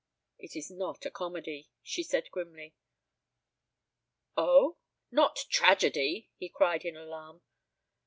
"It is not a comedy," she said grimly. "Oh! Not tragedy?" he cried in alarm.